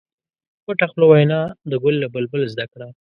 پټه خوله وینا د ګل له بلبل زده کړه.